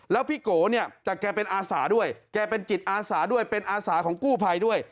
แล้วพี่โกเนี่ยแต่แกเป็นอาสาด้วยแกเป็นจิตอาสาด้วยเป็นอาสาของกู้ภัยด้วย